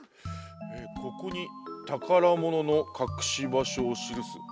「ここにたからもののかくしばしょをしるす」。